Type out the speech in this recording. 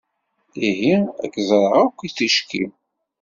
Ihi ad ken-ẓreɣ akk ticki.